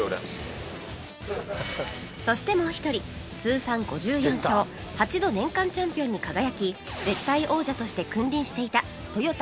そしてもう一人通算５４勝８度年間チャンピオンに輝き絶対王者として君臨していたトヨタオジェ選手